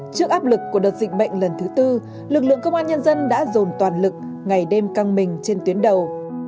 trước áp lực của đợt dịch bệnh lần thứ tư lực lượng công an nhân dân đã dồn toàn lực ngày đêm căng mình trên tuyến đầu